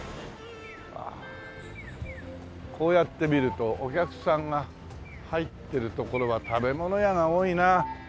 わあこうやって見るとお客さんが入ってる所は食べ物屋が多いな。